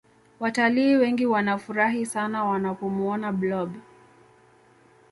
Wataliii wengi wanafurahi sana wanapomuona blob